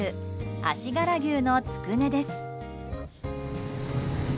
足柄牛のつくねです。